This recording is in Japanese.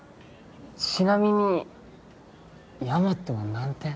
ちなみにヤマトは何点？